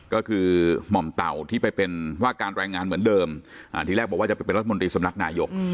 ก็คือหม่อมเต่าที่ไปเป็นว่าการแรงงานเหมือนเดิมทีแรกบอกว่าจะเป็นรัฐมนตรีสำนักนายก